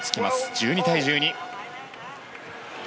１２対１２。